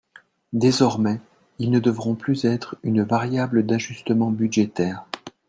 Désormais, ils ne devront plus être une variable d’ajustement budgétaire.